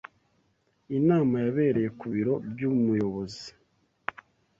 Inama yabereye ku biro by'umuyobozi